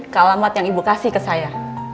ke alamat yang ibu kasih ke saya